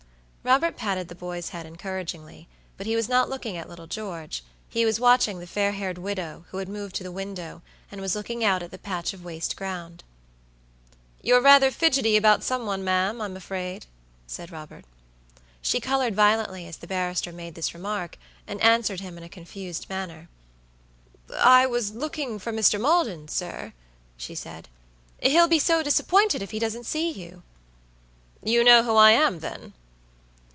Robert patted the boy's head encouragingly, but he was not looking at little George; he was watching the fair haired widow, who had moved to the window, and was looking out at the patch of waste ground. "You're rather fidgety about some one, ma'am, I'm afraid," said Robert. She colored violently as the barrister made this remark, and answered him in a confused manner. "I was looking for Mr. Maldon, sir," she said; "he'll be so disappointed if he doesn't see you." "You know who I am, then?"